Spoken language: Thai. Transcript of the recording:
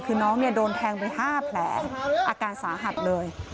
คือน้องเนี่ยโดนแทงไป๕แผลอาการสาหัสเลย